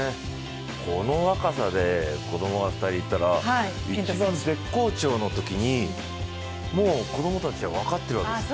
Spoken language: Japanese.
この若さで子供が２人いたら一番絶好調のときにもう子供たちは分かってるわけです。